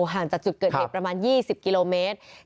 ห่างจากจุดเกิดเหตุประมาณ๒๐กิโลเมตร